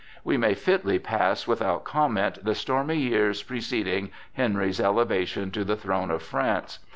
We may fitly pass without comment the stormy years preceding Henry's elevation to the throne of France.